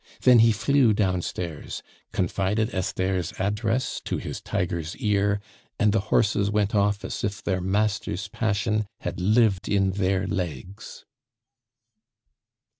Then he flew downstairs, confided Esther's address to his tiger's ear, and the horses went off as if their master's passion had lived in their legs.